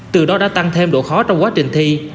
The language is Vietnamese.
từ đó đã tăng thêm độ khó trong quá trình thi